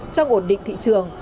trong ổn định thị trường